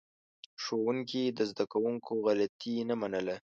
ښوونکي د زده کوونکو غلطي نه منله.